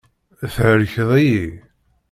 Thelkeḍ-iyi.